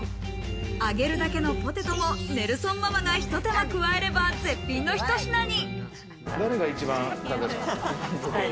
揚げるだけのポテトもネルソンママがひと手間加えれば絶品のひと品に。